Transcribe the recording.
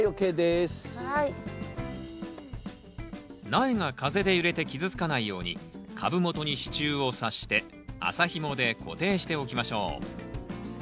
苗が風で揺れて傷つかないように株元に支柱をさして麻ひもで固定しておきましょう。